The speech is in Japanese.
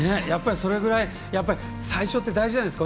それぐらい最初って大事じゃないですか。